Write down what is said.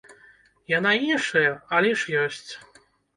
Яна іншая, але ж ёсць.